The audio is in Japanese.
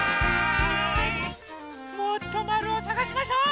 もっとまるをさがしましょう！